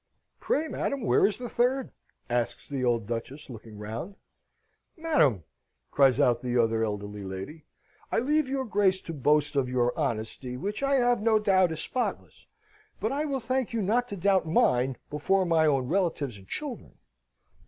"Pray, madam, where is the third?" asks the old Duchess, looking round. "Madam!" cries out the other elderly lady, "I leave your Grace to boast of your honesty, which I have no doubt is spotless: but I will thank you not to doubt mine before my own relatives and children!"